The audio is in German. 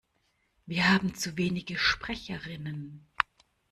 Wir haben zu wenige Sprecherinnen.